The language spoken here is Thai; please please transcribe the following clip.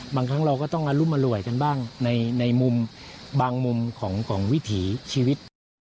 บางครั้งเราก็ต้องอรุมอร่วยกันบ้างในมุมบางมุมของวิถีชีวิต